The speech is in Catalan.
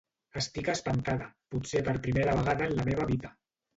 Estic espantada, potser per primera vegada en la meva vida.